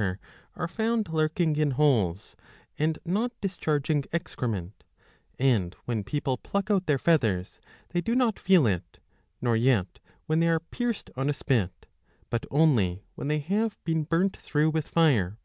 835 a DE MIRABILIBUS are found lurking in holes, and not 1 discharging excrement, and when people pluck out their feathers they do not feel it, nor yet when they are pierced on a spit, but only when they have been burnt through with fire.